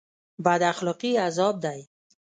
بد اخلاقي عذاب دی